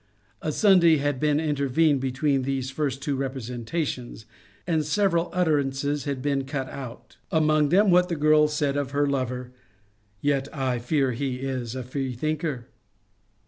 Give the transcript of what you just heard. A Sunday had intervened between these first two representations, and several utterances had been cut out ; among them what the girl said of her lover, ^' Yet I fear he is a freethinker."